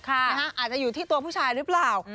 อาจจะอยู่ที่ตัวผู้ชายหรือเปล่า